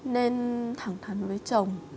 nên thẳng thắn với chồng